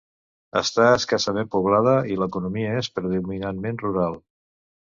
Està escassament poblada i l'economia és predominantment rural.